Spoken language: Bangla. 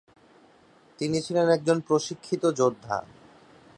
তিনি ছিলেন একজন প্রশিক্ষিত যোদ্ধা।